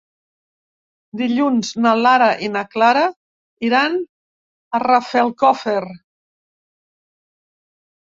Dilluns na Lara i na Clara iran a Rafelcofer.